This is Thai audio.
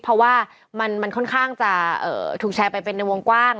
เพราะว่ามันค่อนข้างจะถูกแชร์ไปเป็นในวงกว้าง